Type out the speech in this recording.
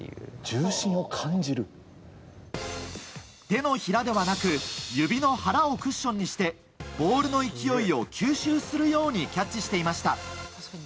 手のひらではなく指の腹をクッションにしてボールの勢いを吸収するようにキャッチしていました。